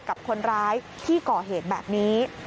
กับคนร้ายที่ก่อเหตุแบบนี้